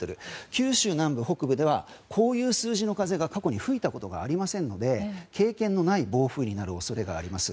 九州南部、北部ではこういう数字の風が過去に吹いたことがありませんので経験のない暴風になる恐れがあります。